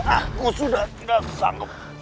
aku sudah tidak sanggup